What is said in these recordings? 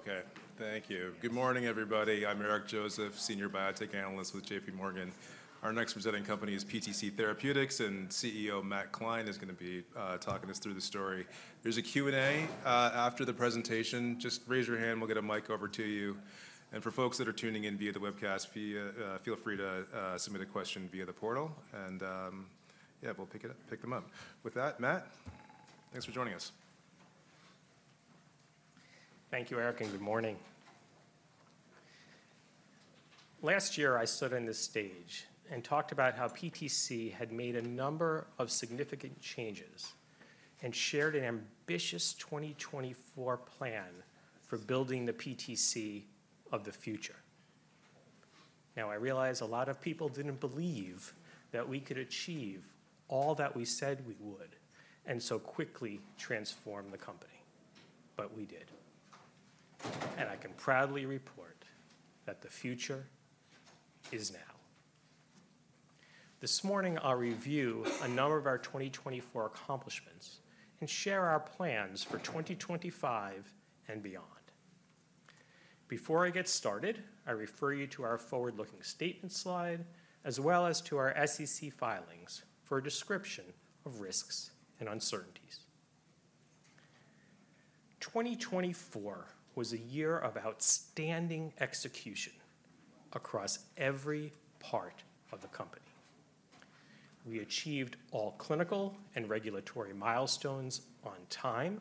Okay, thank you. Good morning, everybody. I'm Eric Joseph, Senior Biotech Analyst with J.P. Morgan. Our next presenting company is PTC Therapeutics, and CEO Matt Klein is going to be talking us through the story. There's a Q&A after the presentation. Just raise your hand, and we'll get a mic over to you. And for folks that are tuning in via the webcast, feel free to submit a question via the portal, and yeah, we'll pick them up. With that, Matt, thanks for joining us. Thank you, Eric, and good morning. Last year, I stood on this stage and talked about how PTC had made a number of significant changes and shared an ambitious 2024 plan for building the PTC of the future. Now, I realize a lot of people didn't believe that we could achieve all that we said we would and so quickly transform the company, but we did, and I can proudly report that the future is now. This morning, I'll review a number of our 2024 accomplishments and share our plans for 2025 and beyond. Before I get started, I refer you to our forward-looking statement slide, as well as to our SEC filings for a description of risks and uncertainties. 2024 was a year of outstanding execution across every part of the company. We achieved all clinical and regulatory milestones on time,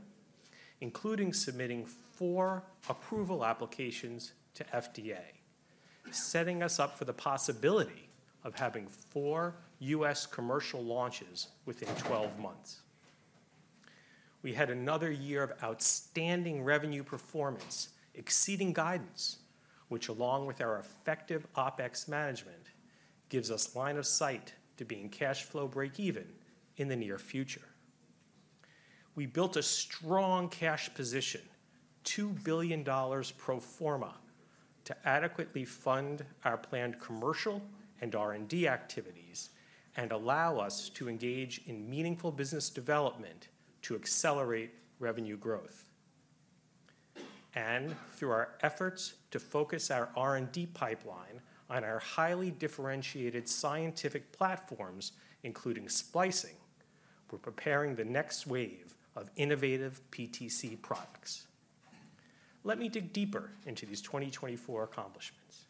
including submitting four approval applications to FDA, setting us up for the possibility of having four U.S. commercial launches within 12 months. We had another year of outstanding revenue performance exceeding guidance, which, along with our effective OpEx management, gives us line of sight to being cash flow break-even in the near future. We built a strong cash position, $2 billion pro forma, to adequately fund our planned commercial and R&D activities and allow us to engage in meaningful business development to accelerate revenue growth, and through our efforts to focus our R&D pipeline on our highly differentiated scientific platforms, including splicing, we're preparing the next wave of innovative PTC products. Let me dig deeper into these 2024 accomplishments.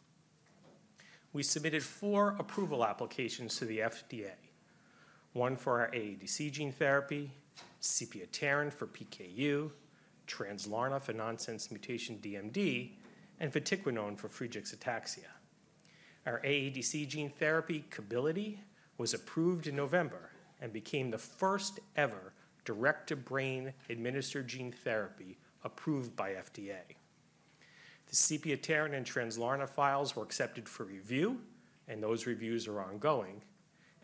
We submitted four approval applications to the FDA: one for our AADC gene therapy, sepiapterin for PKU, Translarna for nonsense mutation DMD, and vatiquinone for Friedreich's ataxia. Our AADC gene therapy, Kebbilidi, was approved in November and became the first-ever direct-to-brain administered gene therapy approved by FDA. The sepiapterin and Translarna files were accepted for review, and those reviews are ongoing.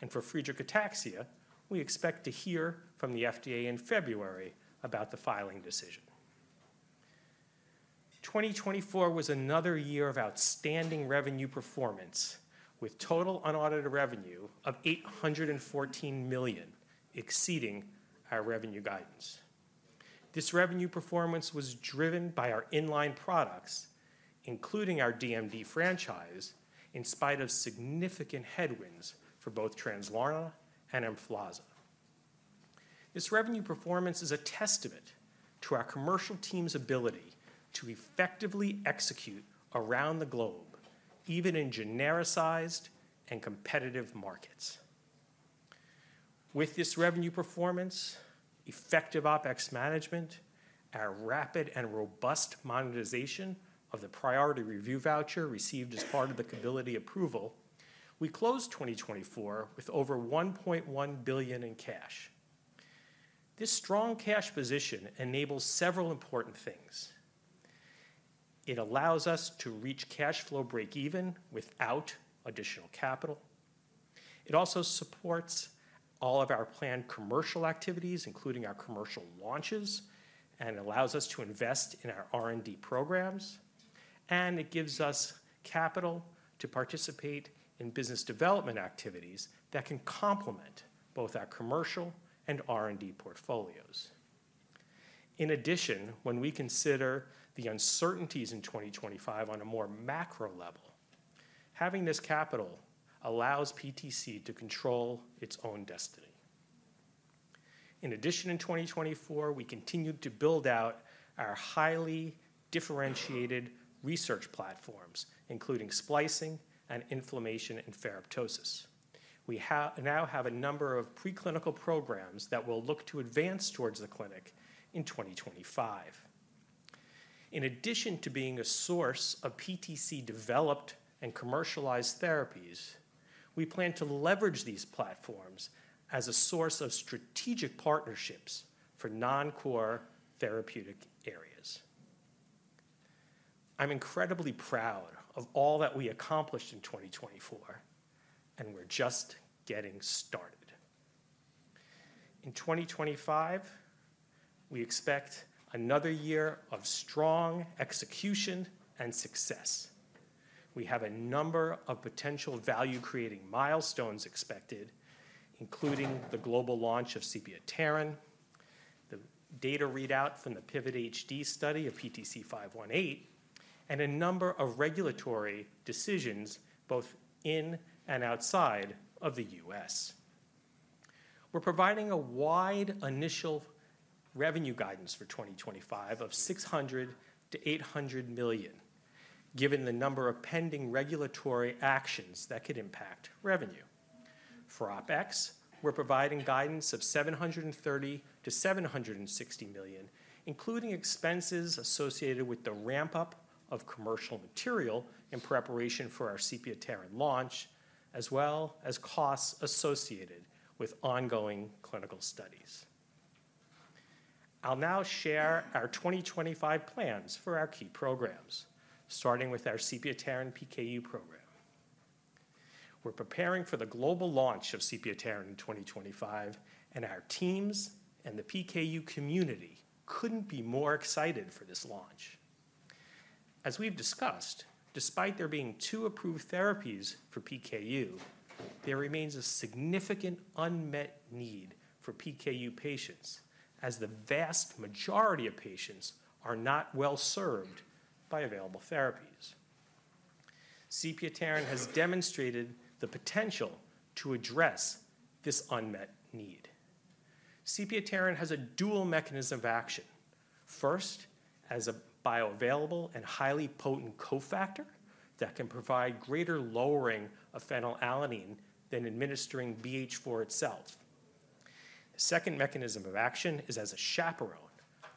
And for Friedreich's ataxia, we expect to hear from the FDA in February about the filing decision. 2024 was another year of outstanding revenue performance, with total unaudited revenue of $814 million, exceeding our revenue guidance. This revenue performance was driven by our inline products, including our DMD franchise, in spite of significant headwinds for both Translarna and Emflaza. This revenue performance is a testament to our commercial team's ability to effectively execute around the globe, even in genericized and competitive markets. With this revenue performance, effective OpEx management, our rapid and robust monetization of the priority review voucher received as part of the Kebbilidi approval, we closed 2024 with over $1.1 billion in cash. This strong cash position enables several important things. It allows us to reach cash flow break-even without additional capital. It also supports all of our planned commercial activities, including our commercial launches, and allows us to invest in our R&D programs, and it gives us capital to participate in business development activities that can complement both our commercial and R&D portfolios. In addition, when we consider the uncertainties in 2025 on a more macro level, having this capital allows PTC to control its own destiny. In addition, in 2024, we continued to build out our highly differentiated research platforms, including splicing and inflammation and ferroptosis. We now have a number of preclinical programs that will look to advance towards the clinic in 2025. In addition to being a source of PTC-developed and commercialized therapies, we plan to leverage these platforms as a source of strategic partnerships for non-core therapeutic areas. I'm incredibly proud of all that we accomplished in 2024, and we're just getting started. In 2025, we expect another year of strong execution and success. We have a number of potential value-creating milestones expected, including the global launch of sepiapterin, the data readout from the PIVOT-HD study of PTC518, and a number of regulatory decisions both in and outside of the U.S. We're providing a wide initial revenue guidance for 2025 of $600 million-$800 million, given the number of pending regulatory actions that could impact revenue. For OpEx, we're providing guidance of $730-$760 million, including expenses associated with the ramp-up of commercial material in preparation for our sepiapterin launch, as well as costs associated with ongoing clinical studies. I'll now share our 2025 plans for our key programs, starting with our sepiapterin PKU program. We're preparing for the global launch of sepiapterin in 2025, and our teams and the PKU community couldn't be more excited for this launch. As we've discussed, despite there being two approved therapies for PKU, there remains a significant unmet need for PKU patients, as the vast majority of patients are not well served by available therapies. Sepiapterin has demonstrated the potential to address this unmet need. Sepiapterin has a dual mechanism of action. First, as a bioavailable and highly potent cofactor that can provide greater lowering of phenylalanine than administering BH4 itself. The second mechanism of action is as a chaperone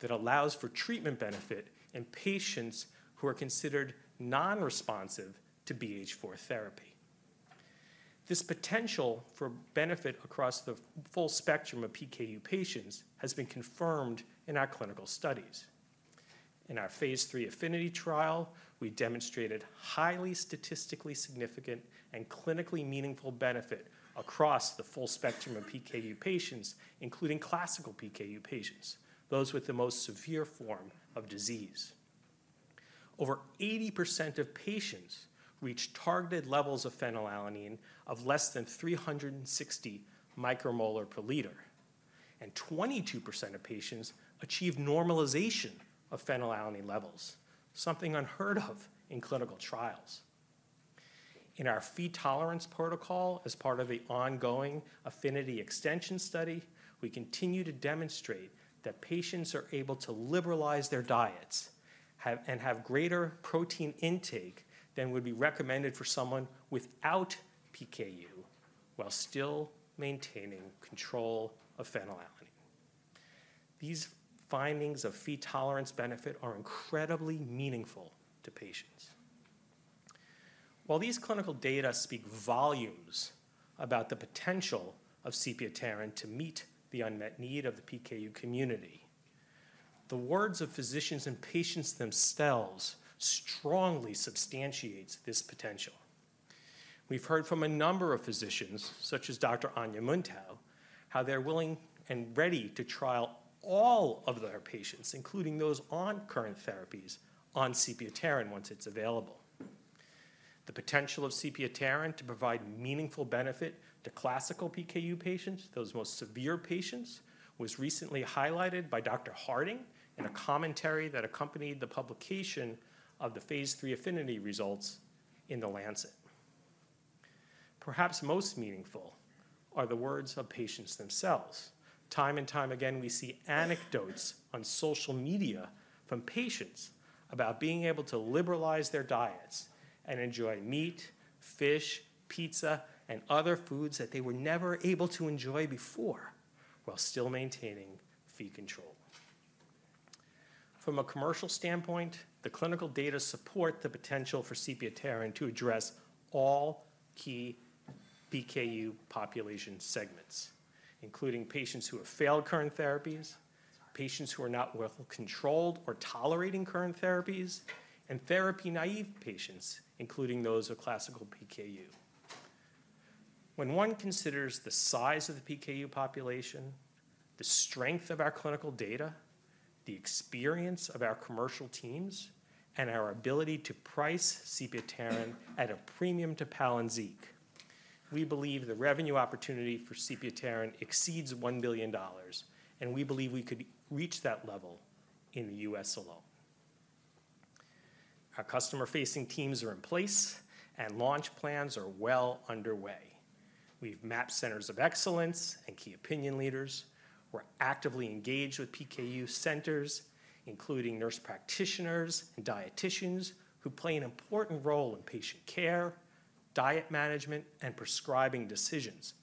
that allows for treatment benefit in patients who are considered non-responsive to BH4 therapy. This potential for benefit across the full spectrum of PKU patients has been confirmed in our clinical studies. In our phase 3 APHINITY trial, we demonstrated highly statistically significant and clinically meaningful benefit across the full spectrum of PKU patients, including classical PKU patients, those with the most severe form of disease. Over 80% of patients reach targeted levels of phenylalanine of less than 360 micromolar per liter, and 22% of patients achieve normalization of phenylalanine levels, something unheard of in clinical trials. In our food tolerance protocol, as part of the ongoing APHINITY extension study, we continue to demonstrate that patients are able to liberalize their diets and have greater protein intake than would be recommended for someone without PKU while still maintaining control of phenylalanine. These findings of feed tolerance benefit are incredibly meaningful to patients. While these clinical data speak volumes about the potential of sepiapterin to meet the unmet need of the PKU community, the words of physicians and patients themselves strongly substantiate this potential. We've heard from a number of physicians, such as Dr. Ania Muntau, how they're willing and ready to trial all of their patients, including those on current therapies, on sepiapterin once it's available. The potential of sepiapterin to provide meaningful benefit to classical PKU patients, those most severe patients, was recently highlighted by Dr. Harding in a commentary that accompanied the publication of the phase 3 APHINITY results in The Lancet. Perhaps most meaningful are the words of patients themselves. Time and time again, we see anecdotes on social media from patients about being able to liberalize their diets and enjoy meat, fish, pizza, and other foods that they were never able to enjoy before while still maintaining Phe control. From a commercial standpoint, the clinical data support the potential for sepiapterin to address all key PKU population segments, including patients who have failed current therapies, patients who are not well controlled or tolerating current therapies, and therapy-naive patients, including those with classical PKU. When one considers the size of the PKU population, the strength of our clinical data, the experience of our commercial teams, and our ability to price sepiapterin at a premium to Palynziq, we believe the revenue opportunity for sepiapterin exceeds $1 billion, and we believe we could reach that level in the U.S. alone. Our customer-facing teams are in place, and launch plans are well underway. We've mapped centers of excellence and key opinion leaders. We're actively engaged with PKU centers, including nurse practitioners and dieticians, who play an important role in patient care, diet management, and prescribing decisions.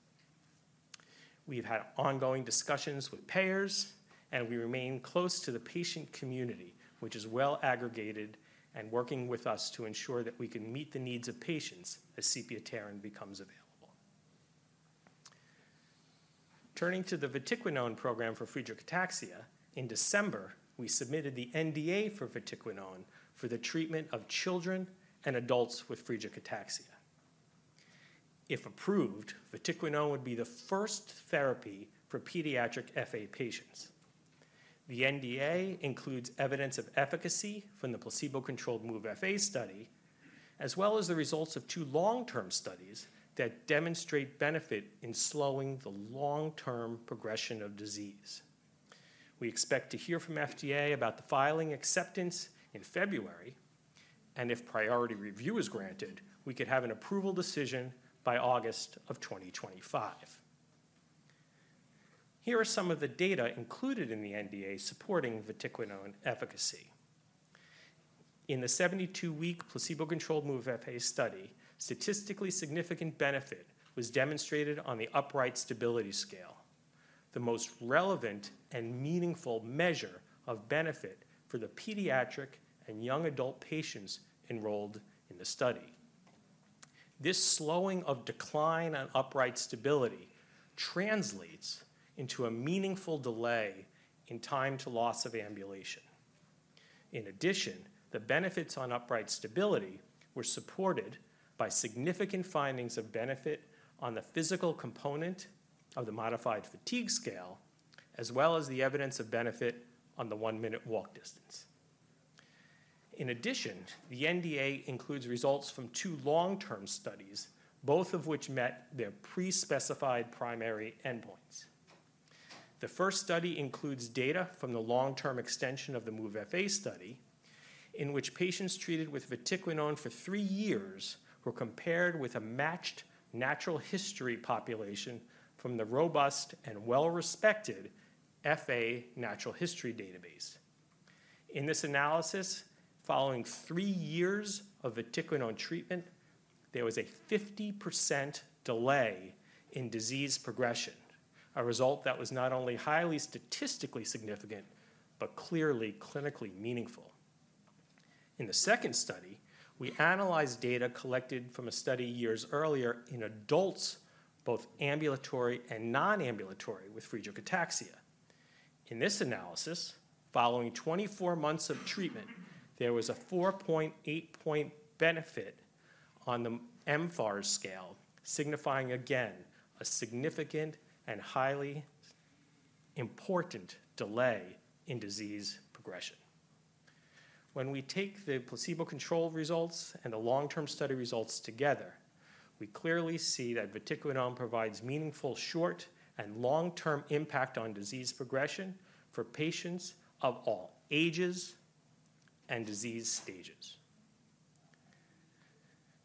We've had ongoing discussions with payers, and we remain close to the patient community, which is well aggregated and working with us to ensure that we can meet the needs of patients as sepiapterin becomes available. Turning to the vatiquinone program for Friedreich's ataxia, in December, we submitted the NDA for vatiquinone for the treatment of children and adults with Friedreich's ataxia. If approved, vatiquinone would be the first therapy for pediatric FA patients. The NDA includes evidence of efficacy from the placebo-controlled MOVE-FA study, as well as the results of two long-term studies that demonstrate benefit in slowing the long-term progression of disease. We expect to hear from FDA about the filing acceptance in February, and if priority review is granted, we could have an approval decision by August of 2025. Here are some of the data included in the NDA supporting vatiquinone efficacy. In the 72-week placebo-controlled MOVE-FA study, statistically significant benefit was demonstrated on the upright stability scale, the most relevant and meaningful measure of benefit for the pediatric and young adult patients enrolled in the study. This slowing of decline on upright stability translates into a meaningful delay in time to loss of ambulation. In addition, the benefits on upright stability were supported by significant findings of benefit on the physical component of the Modified Fatigue Scale, as well as the evidence of benefit on the one-minute walk distance. In addition, the NDA includes results from two long-term studies, both of which met their pre-specified primary endpoints. The first study includes data from the long-term extension of the MOVE-FA study, in which patients treated with vatiquinone for three years were compared with a matched natural history population from the robust and well-respected FA natural history database. In this analysis, following three years of vatiquinone treatment, there was a 50% delay in disease progression, a result that was not only highly statistically significant but clearly clinically meaningful. In the second study, we analyzed data collected from a study years earlier in adults, both ambulatory and non-ambulatory, with Friedreich's ataxia. In this analysis, following 24 months of treatment, there was a 4.8-point benefit on the MFARS scale, signifying again a significant and highly important delay in disease progression. When we take the placebo-controlled results and the long-term study results together, we clearly see that vatiquinone provides meaningful short and long-term impact on disease progression for patients of all ages and disease stages.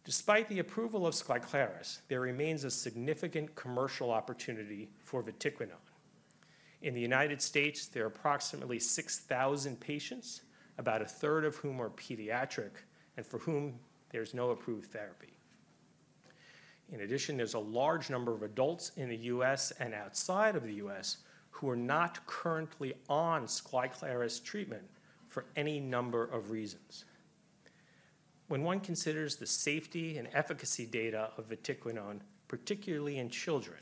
Despite the approval of Skyclarys, there remains a significant commercial opportunity for vatiquinone. In the United States, there are approximately 6,000 patients, about a third of whom are pediatric and for whom there's no approved therapy. In addition, there's a large number of adults in the U.S. and outside of the U.S. who are not currently on Skyclarys treatment for any number of reasons. When one considers the safety and efficacy data of vatiquinone, particularly in children,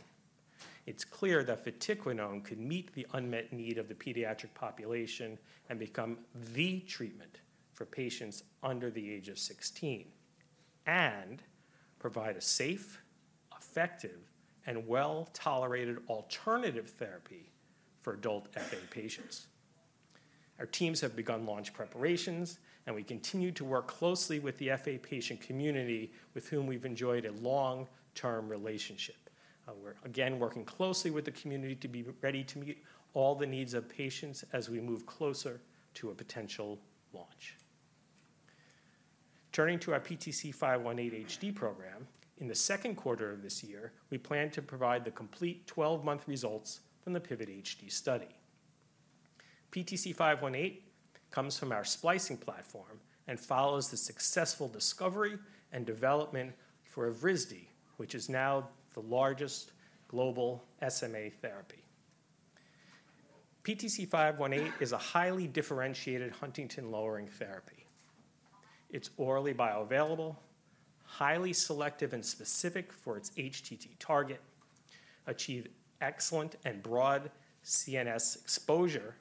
it's clear that vatiquinone could meet the unmet need of the pediatric population and become the treatment for patients under the age of 16 and provide a safe, effective, and well-tolerated alternative therapy for adult FA patients. Our teams have begun launch preparations, and we continue to work closely with the FA patient community, with whom we've enjoyed a long-term relationship. We're again working closely with the community to be ready to meet all the needs of patients as we move closer to a potential launch. Turning to our PTC518-HD program, in the second quarter of this year, we plan to provide the complete 12-month results from the PIVOT-HD study. PTC518 comes from our splicing platform and follows the successful discovery and development for Evrisdi, which is now the largest global SMA therapy. PTC518 is a highly differentiated huntingtin lowering therapy. It's orally bioavailable, highly selective and specific for its HTT target, achieves excellent and broad CNS exposure,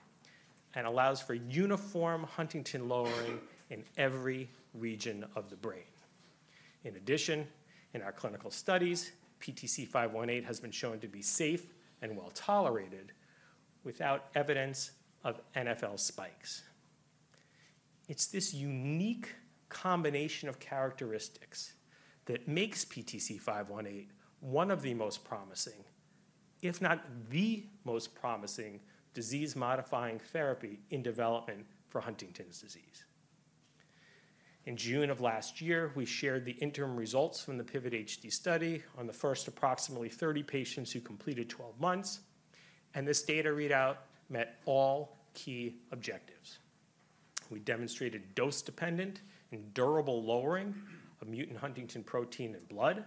and allows for uniform huntingtin lowering in every region of the brain. In addition, in our clinical studies, PTC518 has been shown to be safe and well tolerated without evidence of NfL spikes. It's this unique combination of characteristics that makes PTC518 one of the most promising, if not the most promising, disease-modifying therapy in development for Huntington's disease. In June of last year, we shared the interim results from the PIVOT-HD study on the first approximately 30 patients who completed 12 months, and this data readout met all key objectives. We demonstrated dose-dependent and durable lowering of mutant huntingtin protein in blood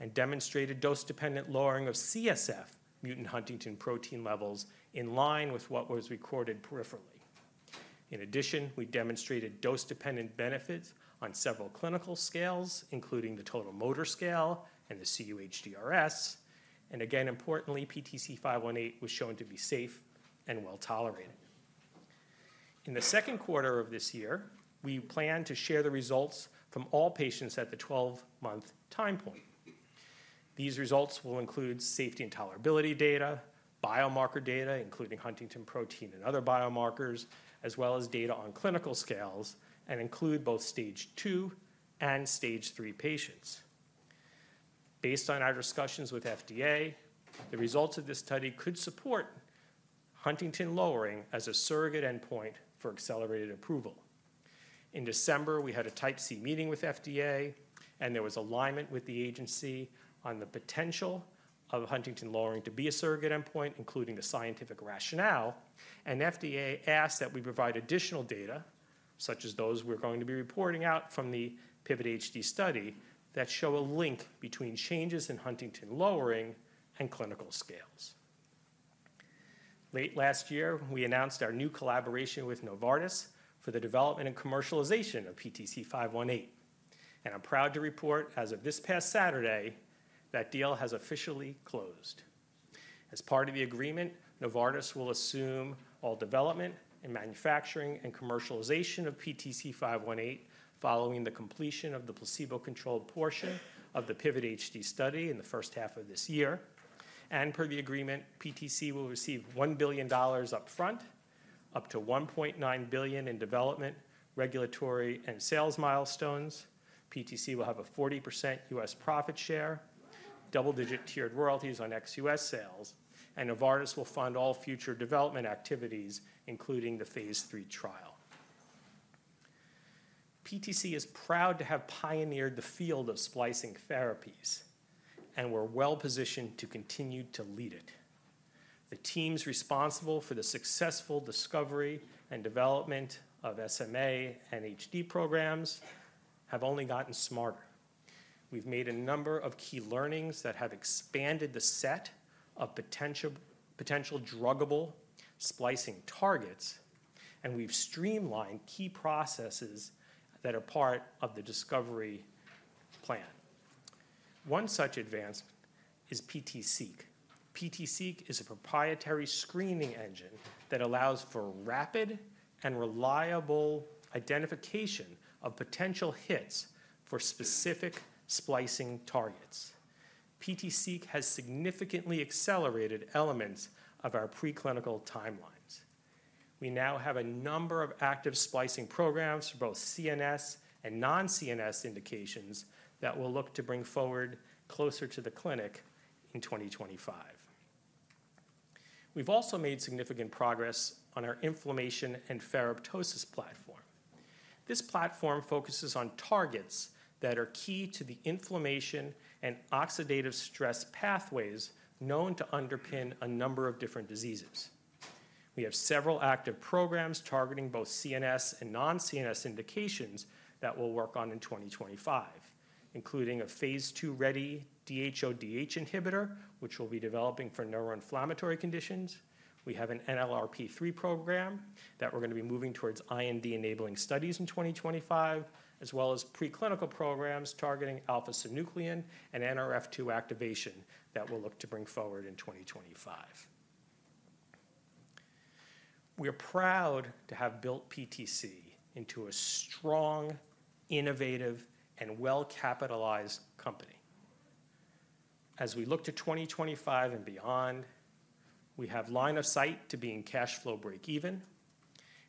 and demonstrated dose-dependent lowering of CSF mutant huntingtin protein levels in line with what was recorded peripherally. In addition, we demonstrated dose-dependent benefit on several clinical scales, including the Total Motor Scale and the cUHDRS, and again, importantly, PTC518 was shown to be safe and well tolerated. In the second quarter of this year, we plan to share the results from all patients at the 12-month time point. These results will include safety and tolerability data, biomarker data, including huntingtin protein and other biomarkers, as well as data on clinical scales, and include both stage two and stage three patients. Based on our discussions with FDA, the results of this study could support huntingtin lowering as a surrogate endpoint for accelerated approval. In December, we had a type C meeting with FDA, and there was alignment with the agency on the potential of huntingtin lowering to be a surrogate endpoint, including the scientific rationale, and FDA asked that we provide additional data, such as those we're going to be reporting out from the PIVOT-HD study, that show a link between changes in huntingtin lowering and clinical scales. Late last year, we announced our new collaboration with Novartis for the development and commercialization of PTC518, and I'm proud to report, as of this past Saturday, that deal has officially closed. As part of the agreement, Novartis will assume all development and manufacturing and commercialization of PTC518 following the completion of the placebo-controlled portion of the PIVOT-HD study in the first half of this year, and per the agreement, PTC will receive $1 billion upfront, up to $1.9 billion in development, regulatory, and sales milestones. PTC will have a 40% U.S. profit share, double-digit tiered royalties on ex-U.S. sales, and Novartis will fund all future development activities, including the phase three trial. PTC is proud to have pioneered the field of splicing therapies, and we're well positioned to continue to lead it. The teams responsible for the successful discovery and development of SMA and HD programs have only gotten smarter. We've made a number of key learnings that have expanded the set of potential druggable splicing targets, and we've streamlined key processes that are part of the discovery plan. One such advancement is PTSeq. PTSeq is a proprietary screening engine that allows for rapid and reliable identification of potential hits for specific splicing targets. PTSeq has significantly accelerated elements of our preclinical timelines. We now have a number of active splicing programs, both CNS and non-CNS indications, that will look to bring forward closer to the clinic in 2025. We've also made significant progress on our inflammation and ferroptosis platform. This platform focuses on targets that are key to the inflammation and oxidative stress pathways known to underpin a number of different diseases. We have several active programs targeting both CNS and non-CNS indications that we'll work on in 2025, including a phase 2-ready DHODH inhibitor, which we'll be developing for neuroinflammatory conditions. We have an NLRP3 program that we're going to be moving towards IND-enabling studies in 2025, as well as preclinical programs targeting alpha-synuclein and NRF2 activation that we'll look to bring forward in 2025. We are proud to have built PTC into a strong, innovative, and well-capitalized company. As we look to 2025 and beyond, we have line of sight to being cash flow breakeven,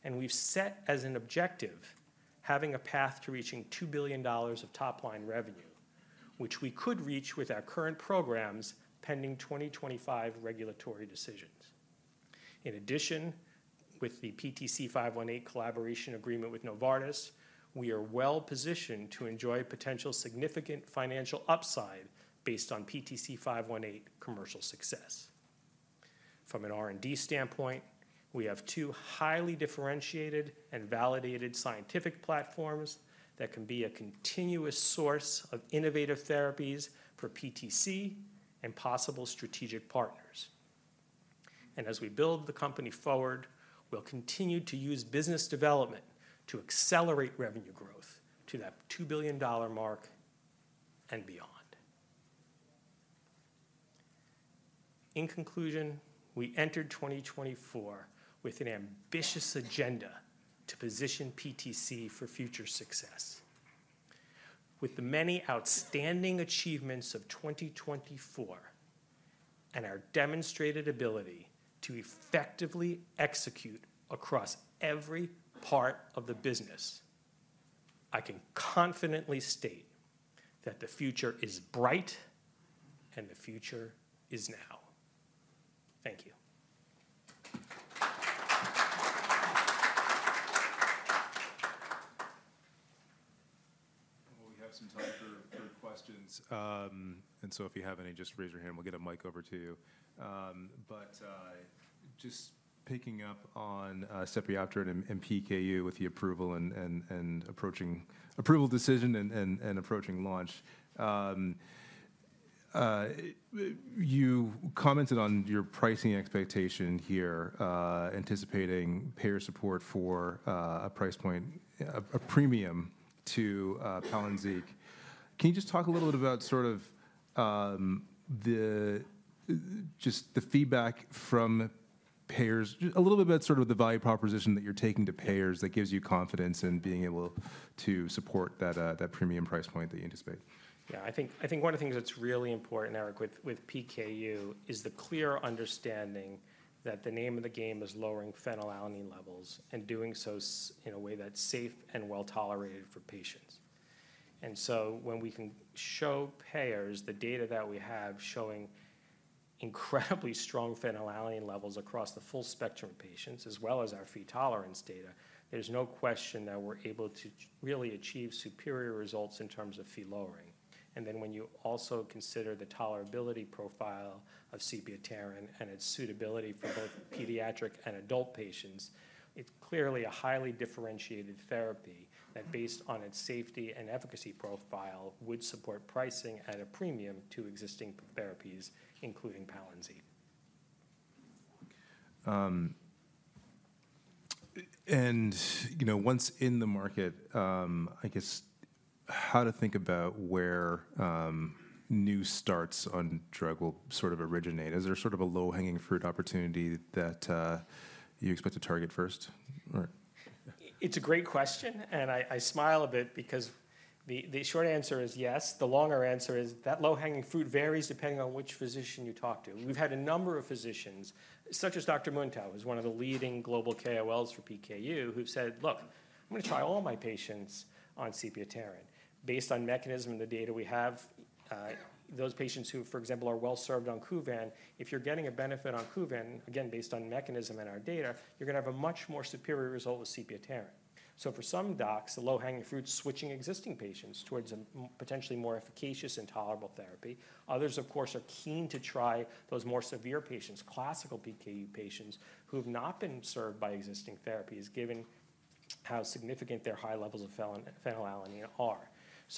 and we've set as an objective having a path to reaching $2 billion of top-line revenue, which we could reach with our current programs pending 2025 regulatory decisions. In addition, with the PTC518 collaboration agreement with Novartis, we are well positioned to enjoy potential significant financial upside based on PTC518 commercial success. From an R&D standpoint, we have two highly differentiated and validated scientific platforms that can be a continuous source of innovative therapies for PTC and possible strategic partners. And as we build the company forward, we'll continue to use business development to accelerate revenue growth to that $2 billion mark and beyond. In conclusion, we entered 2024 with an ambitious agenda to position PTC for future success. With the many outstanding achievements of 2024 and our demonstrated ability to effectively execute across every part of the business, I can confidently state that the future is bright and the future is now. Thank you. We have some time for questions, and so if you have any, just raise your hand and we'll get a mic over to you. But just picking up on sepiapterin and PKU with the approval and approaching approval decision and approaching launch, you commented on your pricing expectation here, anticipating payer support for a price point, a premium to Palynziq. Can you just talk a little bit about sort of just the feedback from payers, a little bit about sort of the value proposition that you're taking to payers that gives you confidence in being able to support that premium price point that you anticipate? Yeah, I think one of the things that's really important, Eric, with PKU is the clear understanding that the name of the game is lowering phenylalanine levels and doing so in a way that's safe and well tolerated for patients. And so when we can show payers the data that we have showing incredibly strong phenylalanine levels across the full spectrum of patients, as well as our Phe tolerance data, there's no question that we're able to really achieve superior results in terms of Phe lowering. And then when you also consider the tolerability profile of sepiapterin and its suitability for both pediatric and adult patients, it's clearly a highly differentiated therapy that, based on its safety and efficacy profile, would support pricing at a premium to existing therapies, including Palynziq. And once in the market, I guess how to think about where new starts on drug will sort of originate? Is there sort of a low-hanging fruit opportunity that you expect to target first? It's a great question, and I smile a bit because the short answer is yes. The longer answer is that low-hanging fruit varies depending on which physician you talk to. We've had a number of physicians, such as Dr. Muntau, who is one of the leading global KOLs for PKU, who said, "Look, I'm going to try all my patients on sepiapterin." Based on the mechanism and the data we have, those patients who, for example, are well served on Kuvan, if you're getting a benefit on Kuvan, again, based on mechanism and our data, you're going to have a much more superior result with sepiapterin. So for some docs, the low-hanging fruit's switching existing patients towards a potentially more efficacious and tolerable therapy. Others, of course, are keen to try those more severe patients, classical PKU patients, who have not been served by existing therapies, given how significant their high levels of phenylalanine are.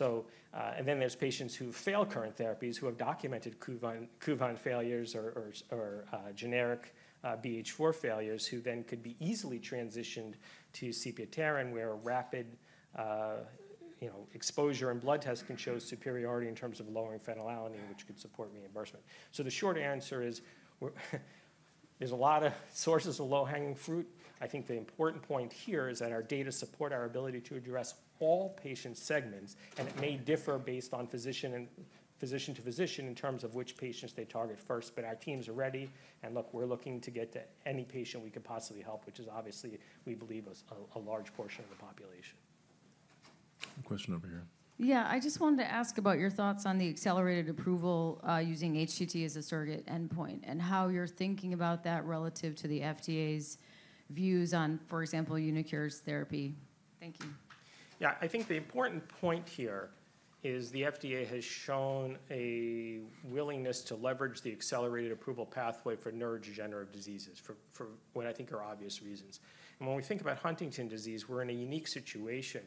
And then there's patients who fail current therapies who have documented Kuvan failures or generic BH4 failures who then could be easily transitioned to sepiapterin, where rapid exposure and blood tests can show superiority in terms of lowering phenylalanine, which could support reimbursement. So the short answer is there's a lot of sources of low-hanging fruit. I think the important point here is that our data support our ability to address all patient segments, and it may differ based on physician to physician in terms of which patients they target first, but our teams are ready, and look, we're looking to get to any patient we can possibly help, which is obviously, we believe, a large portion of the population. Question over here. Yeah, I just wanted to ask about your thoughts on the accelerated approval using HTT as a surrogate endpoint and how you're thinking about that relative to the FDA's views on, for example, uniQure's therapy. Thank you. Yeah, I think the important point here is the FDA has shown a willingness to leverage the accelerated approval pathway for neurodegenerative diseases for what I think are obvious reasons. And when we think about Huntington's disease, we're in a unique situation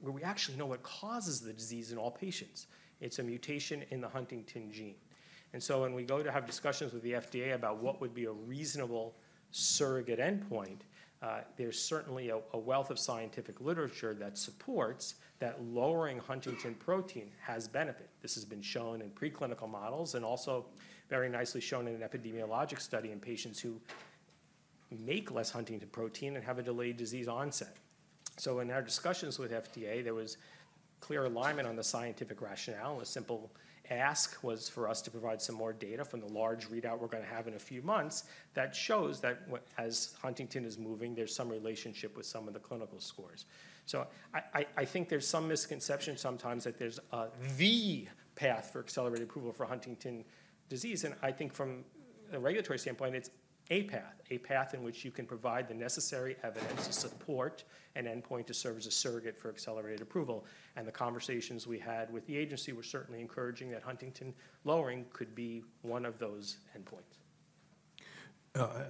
where we actually know what causes the disease in all patients. It's a mutation in the Huntington gene. And so when we go to have discussions with the FDA about what would be a reasonable surrogate endpoint, there's certainly a wealth of scientific literature that supports that lowering huntingtin protein has benefit. This has been shown in preclinical models and also very nicely shown in an epidemiologic study in patients who make less huntingtin protein and have a delayed disease onset, so in our discussions with FDA, there was clear alignment on the scientific rationale. A simple ask was for us to provide some more data from the large readout we're going to have in a few months that shows that as huntingtin is moving, there's some relationship with some of the clinical scores, so I think there's some misconception sometimes that there's a B path for accelerated approval for Huntington's disease, and I think from a regulatory standpoint, it's a path, a path in which you can provide the necessary evidence to support an endpoint to serve as a surrogate for accelerated approval. And the conversations we had with the agency were certainly encouraging that huntingtin lowering could be one of those endpoints.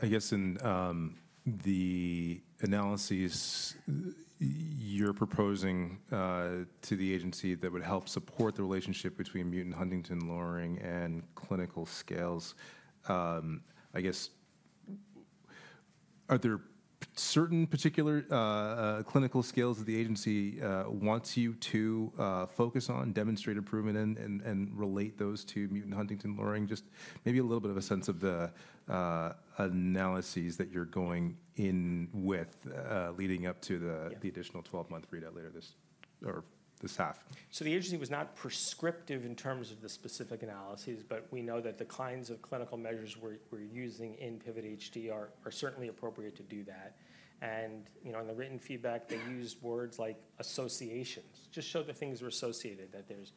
I guess in the analyses you're proposing to the agency that would help support the relationship between mutant huntingtin lowering and clinical scales, I guess, are there certain particular clinical scales that the agency wants you to focus on, demonstrate improvement, and relate those to mutant huntingtin lowering? Just maybe a little bit of a sense of the analyses that you're going in with leading up to the additional 12-month readout later this or this half. So the agency was not prescriptive in terms of the specific analyses, but we know that the kinds of clinical measures we're using in PIVOT-HD are certainly appropriate to do that. In the written feedback, they used words like associations, just showed that things were associated, that there's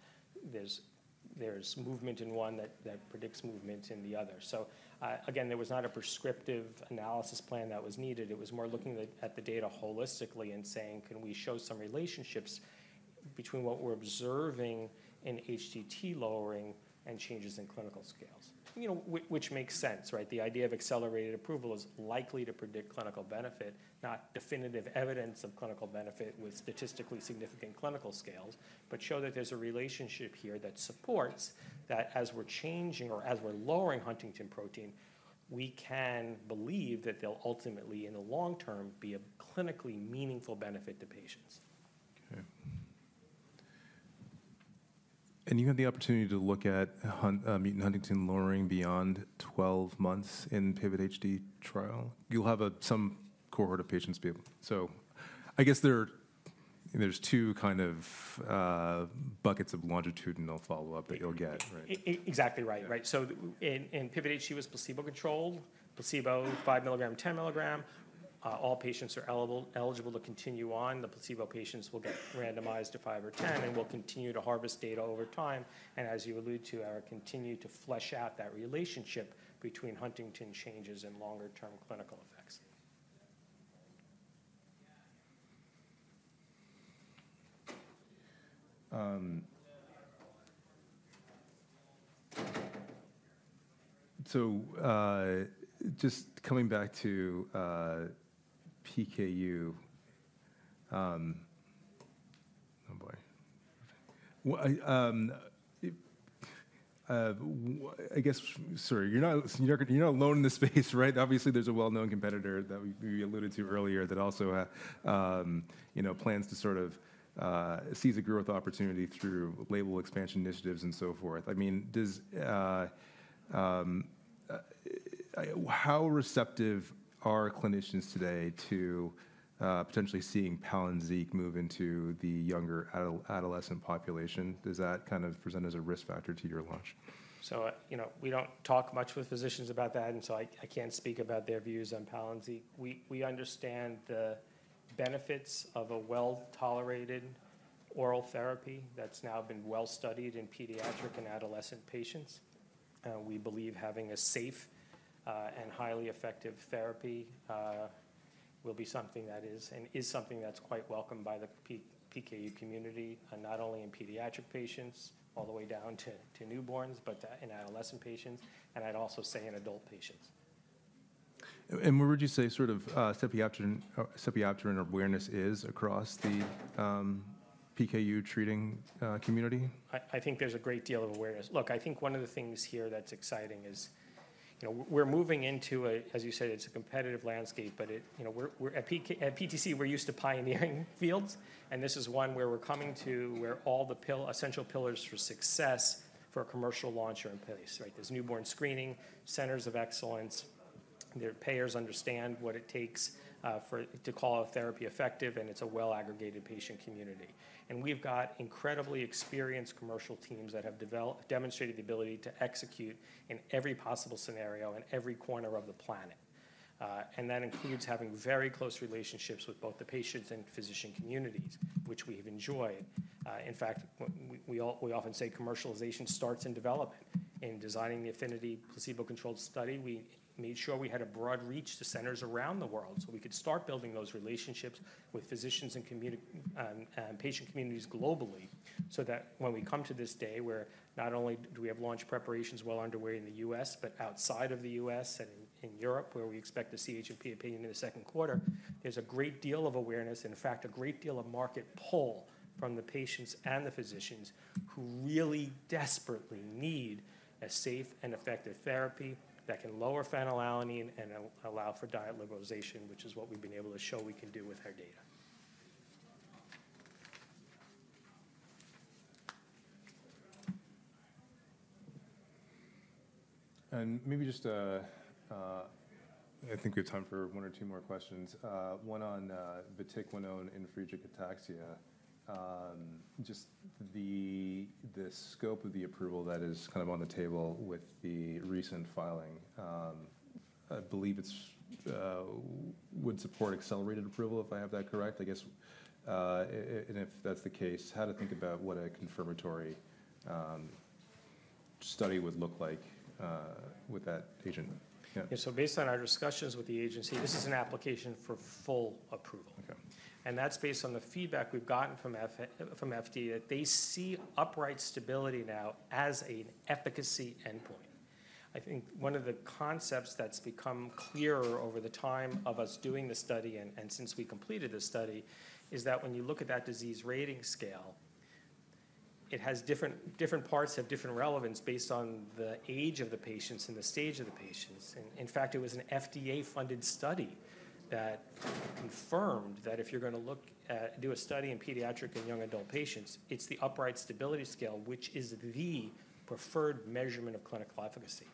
movement in one that predicts movement in the other. So again, there was not a prescriptive analysis plan that was needed. It was more looking at the data holistically and saying, "Can we show some relationships between what we're observing in HTT lowering and changes in clinical scales?" Which makes sense, right? The idea of accelerated approval is likely to predict clinical benefit, not definitive evidence of clinical benefit with statistically significant clinical scales, but show that there's a relationship here that supports that as we're changing or as we're lowering huntingtin protein, we can believe that there'll ultimately, in the long term, be a clinically meaningful benefit to patients. Okay. You had the opportunity to look at mutant huntingtin lowering beyond 12 months in PIVOT-HD trial. You'll have some cohort of patients be able to. So I guess there's two kind of buckets of longitudinal follow-up that you'll get, right? Exactly right, right. So in PIVOT-HD, it was placebo-controlled, placebo 5 milligram, 10 milligram. All patients are eligible to continue on. The placebo patients will get randomized to 5 or 10, and we'll continue to harvest data over time. And as you allude to, I will continue to flesh out that relationship between Huntington changes and longer-term clinical effects. So just coming back to PKU, oh boy. I guess, sorry, you're not alone in this space, right? Obviously, there's a well-known competitor that we alluded to earlier that also plans to sort of seize a growth opportunity through label expansion initiatives and so forth. I mean, how receptive are clinicians today to potentially seeing Palynziq move into the younger adolescent population? Does that kind of present as a risk factor to your launch? So we don't talk much with physicians about that, and so I can't speak about their views on Palynziq. We understand the benefits of a well-tolerated oral therapy that's now been well-studied in pediatric and adolescent patients. We believe having a safe and highly effective therapy will be something that is and is something that's quite welcome by the PKU community, not only in pediatric patients all the way down to newborns, but in adolescent patients, and I'd also say in adult patients. And where would you say sort of sepiapterin and awareness is across the PKU treating community? I think there's a great deal of awareness. Look, I think one of the things here that's exciting is we're moving into a, as you said, it's a competitive landscape, but at PTC, we're used to pioneering fields, and this is one where we're coming to where all the essential pillars for success for a commercial launch are in place, right? There's newborn screening, centers of excellence. Their payers understand what it takes to call a therapy effective, and it's a well-aggregated patient community. And we've got incredibly experienced commercial teams that have demonstrated the ability to execute in every possible scenario in every corner of the planet. And that includes having very close relationships with both the patients and physician communities, which we have enjoyed. In fact, we often say commercialization starts in development. In designing the APHINITY placebo-controlled study, we made sure we had a broad reach to centers around the world so we could start building those relationships with physicians and patient communities globally so that when we come to this day where not only do we have launch preparations well underway in the U.S., but outside of the U.S. and in Europe, where we expect to see CHMP opinion in the second quarter, there's a great deal of awareness and, in fact, a great deal of market pull from the patients and the physicians who really desperately need a safe and effective therapy that can lower phenylalanine and allow for diet liberalization, which is what we've been able to show we can do with our data. And maybe just I think we have time for one or two more questions. One on vatiquinone and Friedreich's ataxia, just the scope of the approval that is kind of on the table with the recent filing. I believe it would support accelerated approval, if I have that correct, I guess. And if that's the case, how to think about what a confirmatory study would look like with that agent. Yeah. So based on our discussions with the agency, this is an application for full approval. And that's based on the feedback we've gotten from FDA that they see upright stability now as an efficacy endpoint. I think one of the concepts that's become clearer over the time of us doing the study and since we completed the study is that when you look at that disease rating scale, different parts have different relevance based on the age of the patients and the stage of the patients. And in fact, it was an FDA-funded study that confirmed that if you're going to look to do a study in pediatric and young adult patients, it's the upright stability scale, which is the preferred measurement of clinical efficacy.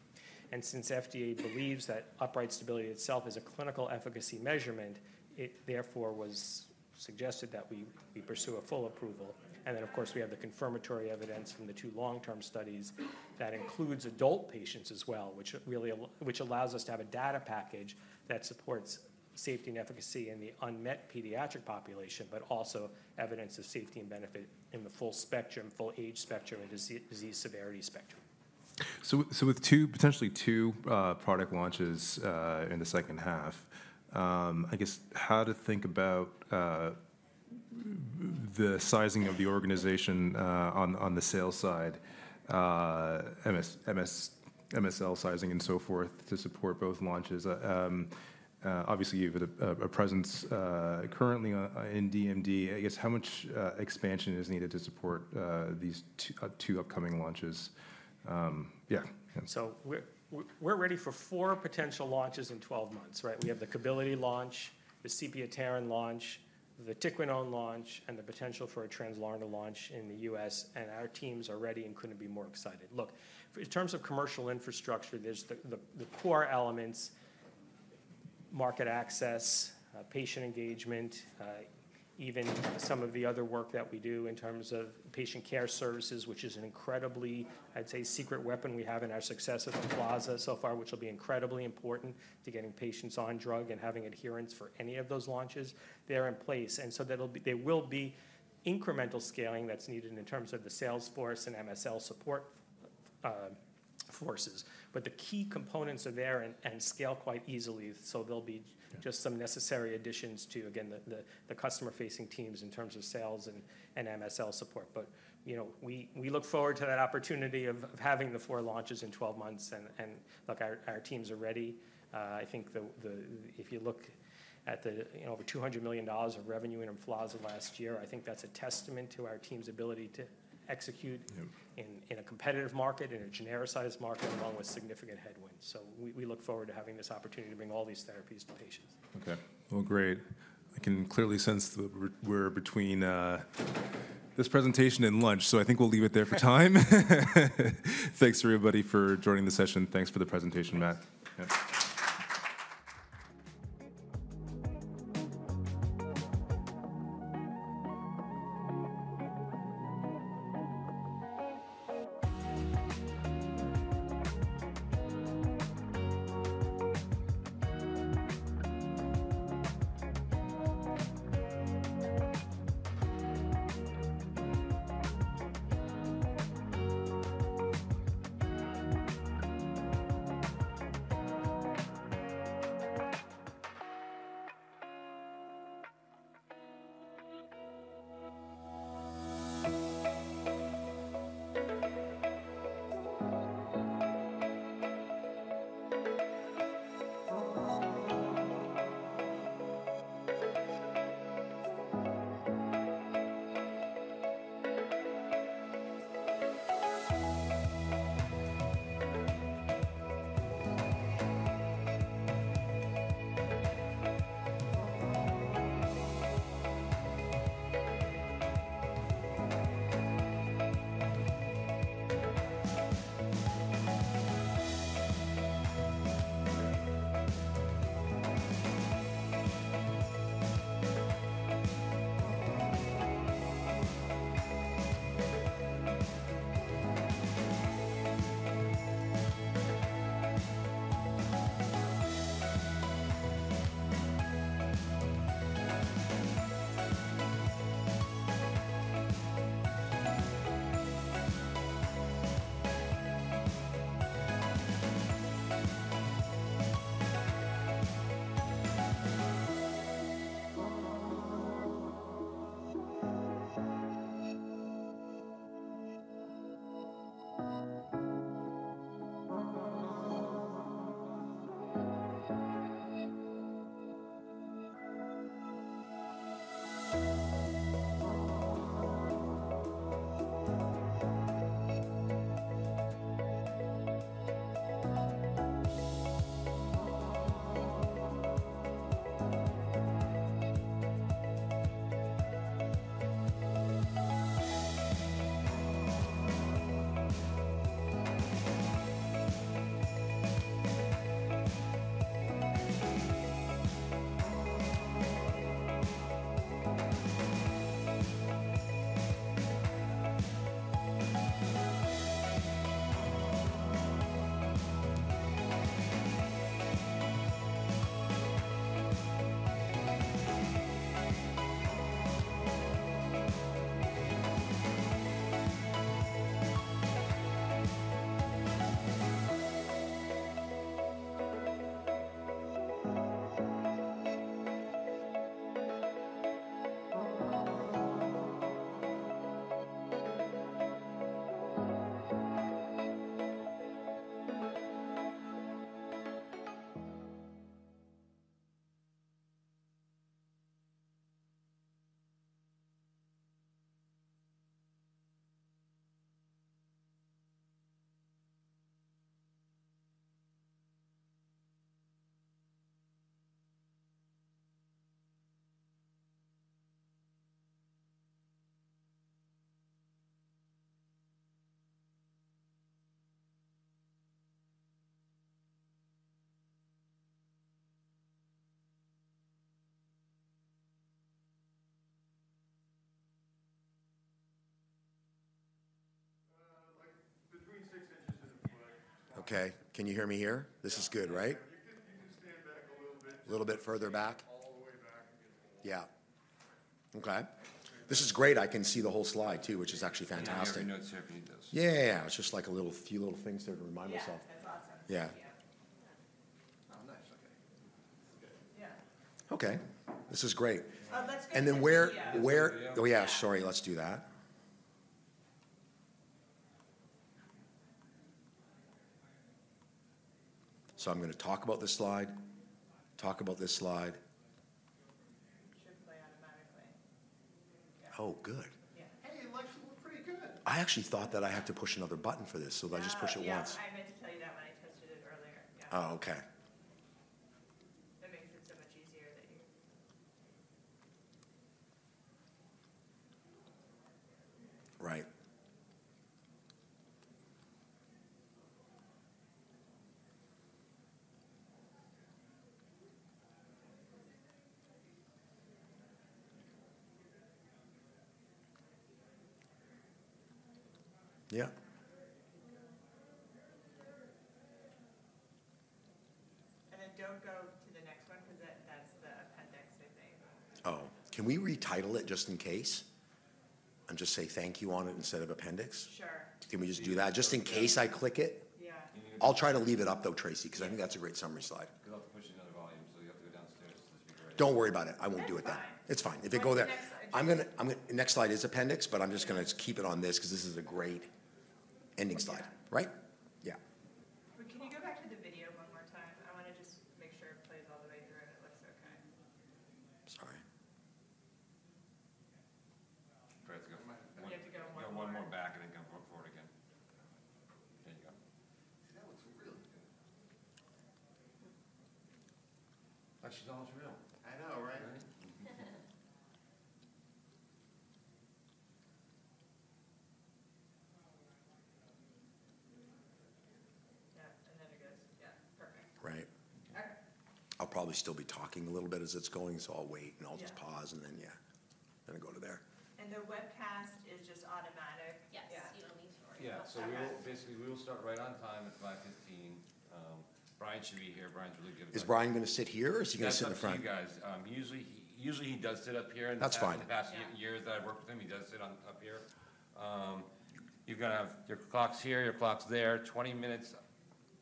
And since FDA believes that upright stability itself is a clinical efficacy measurement, it therefore was suggested that we pursue a full approval. And then, of course, we have the confirmatory evidence from the two long-term studies that includes adult patients as well, which allows us to have a data package that supports safety and efficacy in the unmet pediatric population, but also evidence of safety and benefit in the full spectrum, full age spectrum, and disease severity spectrum. With potentially two product launches in the second half, I guess how to think about the sizing of the organization on the sales side, MSL sizing and so forth to support both launches? Obviously, you have a presence currently in DMD. I guess how much expansion is needed to support these two upcoming launches? Yeah. We're ready for four potential launches in 12 months, right? We have the Kebbilidi launch, the sepiapterin launch, the vatiquinone launch, and the potential for a Translarna launch in the U.S. And our teams are ready and couldn't be more excited. Look, in terms of commercial infrastructure, there's the core elements, market access, patient engagement, even some of the other work that we do in terms of patient care services, which is an incredibly, I'd say, secret weapon we have in our success with Emflaza so far, which will be incredibly important to getting patients on drug and having adherence for any of those launches. They're in place. And so there will be incremental scaling that's needed in terms of the sales force and MSL support forces. But the key components are there and scale quite easily. So there'll be just some necessary additions to, again, the customer-facing teams in terms of sales and MSL support. But we look forward to that opportunity of having the four launches in 12 months. And look, our teams are ready. I think if you look at the over $200 million of revenue in Emflaza last year, I think that's a testament to our team's ability to execute in a competitive market, in a genericized market, along with significant headwinds. So we look forward to having this opportunity to bring all these therapies to patients. Okay. Well, great. I can clearly sense that we're between this presentation and lunch, so I think we'll leave it there for time. Thanks everybody for joining the session. Thanks for the presentation, Matt. Like between six inches and a foot. Okay. Can you hear me here? This is good, right? You can stand back a little bit. A little bit further back? All the way back and get a hold. Yeah. Okay. This is great. I can see the whole slide too, which is actually fantastic. I have my notes here if you need those. Yeah, yeah, yeah. It's just like a few little things here to remind myself. Yeah, that's awesome. Yeah. Yeah. Oh, nice. Okay. This is good. Yeah. Okay. This is great. And then where, oh yeah, sorry. Let's do that. So I'm going to talk about this slide, talk about this slide. It should play automatically. Oh, good. Yeah. Hey, it looks pretty good. I actually thought that I had to push another button for this, so I just push it once. I meant to tell you that when I tested it earlier. Yeah. Oh, okay. That makes it so much easier that you, right. Yeah. And then don't go to the next one because that's the appendix, I think. Oh. Can we retitle it just in case and just say thank you on it instead of appendix? Sure. Can we just do that? Just in case I click it? Yeah. I'll try to leave it up though, Tracy, because I think that's a great summary slide. Because I have to push another volume, so you have to go downstairs. This would be great. Don't worry about it. I won't do it then. It's fine. If you go there, next slide is appendix, but I'm just going to keep it on this because this is a great ending slide, right?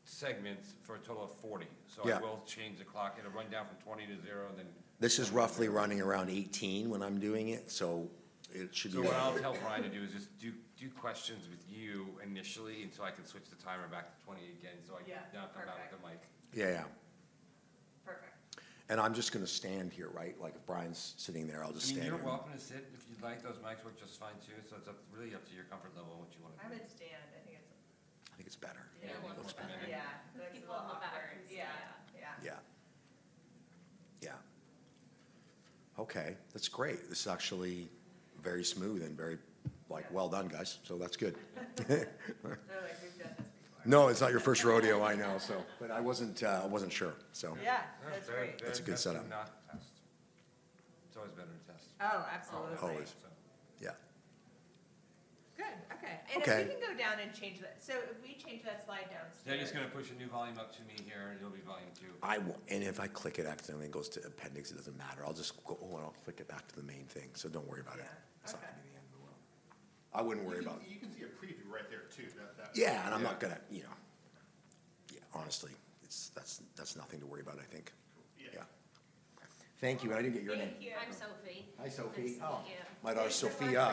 segments for a total of 40. I will change the clock. It'll run down from 20 to 0 and then, this is roughly running around 18 when I'm doing it, so it should be okay. So what I'll tell Brian to do is just do questions with you initially until I can switch the timer back to 20 again so I can not come back to Mike. Yeah. Yeah. Perfect. And I'm just going to stand here, right? Like if Brian's sitting there, I'll just stand here. You can interrupt and sit if you'd like. Those mics work just fine too. So it's really up to your comfort level and what you want to do. I would stand. I think it's, I think it's better. Yeah. It looks better. Yeah. It looks a lot better. Yeah. Yeah. Yeah. Yeah. Okay. That's great. This is actually very smooth and very well done, guys. So that's good. I feel like we've done this before. No, it's not your first rodeo, I know, so. But I wasn't sure, so. Yeah. That's great. That's a good setup. It's always better to test. Oh, absolutely. Always. Yeah. Good. Okay. And if you can go down and change that. So if we change that slide downstairs. Yeah. He's going to push a new volume up to me here and it'll be volume two. And if I click it accidentally and it goes to appendix, it doesn't matter. I'll just go and I'll flick it back to the main thing. So don't worry about it. Yeah. That's not going to be the end of the world. I wouldn't worry about it. You can see a preview right there too. Yeah. And I'm not going to. Yeah. Honestly, that's nothing to worry about, I think. Yeah. Thank you. And I didn't get your name. Thank you. I'm Sophie. Hi, Sophie. Oh. Thank you. My daughter Sophia.